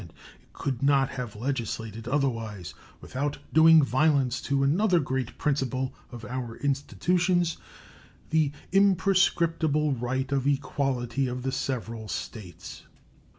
It could not have legislated otherwise without doing violence to another great principle of our institutions the imprescriptible right of equality of the several States.